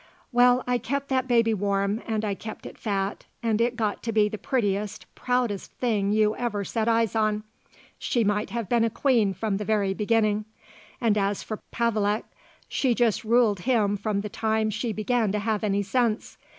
Well, I kept that baby warm and I kept it fat, and it got to be the prettiest, proudest thing you ever set eyes on. She might have been a queen from the very beginning. And as for Pavelek, she just ruled him from the time she began to have any sense.